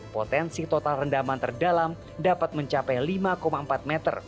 potensi total rendaman terdalam dapat mencapai lima empat meter